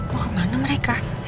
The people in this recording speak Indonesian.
mau kemana mereka